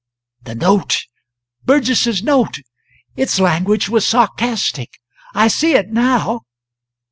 "The note Burgess's note! Its language was sarcastic, I see it now."